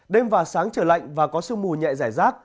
đêm và sáng trời lạnh và có sương mù nhẹ giải rác